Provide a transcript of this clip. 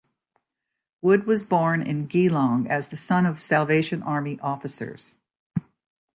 Wood was born in Geelong as the son of Salvation Army officers.